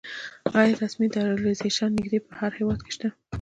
غیر رسمي ډالرایزیشن نږدې په هر هېواد کې شته.